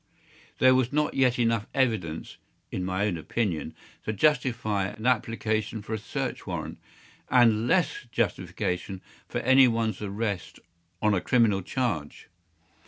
There was not yet enough evidence, in my own opinion, to justify an application for a search warrant, and less justification for any one’s arrest on a criminal charge.